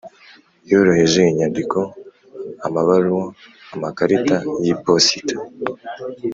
Yoroheje inyandiko amabaruwa amakarita y’iposita